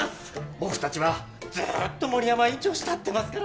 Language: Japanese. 僕たちはずっと森山院長を慕ってますから。